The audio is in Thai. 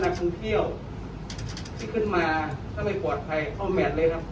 นักทุ่มเที่ยวที่ขึ้นมาถ้าไม่ปลอดภัยเขาแมทเลยครับ